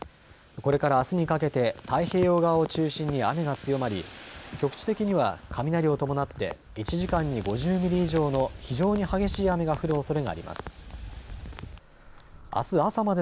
これからあすにかけて太平洋側を中心に雨が強まり局地的には雷を伴って１時間に５０ミリ以上の非常に激しい雨が降るおそれがあります。